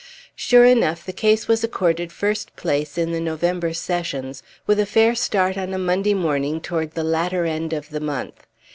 Sure enough, the case was accorded first place in the November Sessions, with a fair start on a Monday morning toward the latter end of the month.